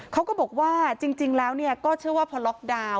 เขาก็บอกว่าจริงแล้วก็เชื่อว่าพอล็อกดาวน์